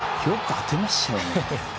これもよく当てましたよね。